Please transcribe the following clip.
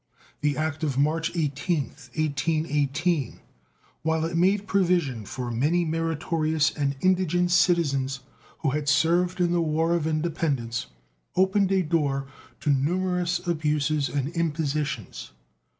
The act of March 18th, 1818, while it made provision for many meritorious and indigent citizens who had served in the War of Independence, opened a door to numerous abuses and impositions.